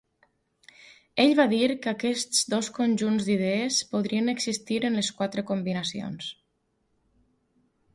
Ell va dir que aquests dos conjunts d'idees podrien existir en les quatre combinacions.